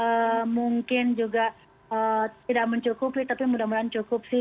sementara obat obatan mungkin juga tidak mencukupi tapi mudah mudahan cukup sih